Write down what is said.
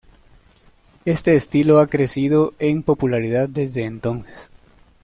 Este estilo ha crecido en popularidad desde entonces.